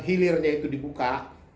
hilirnya itu dibuka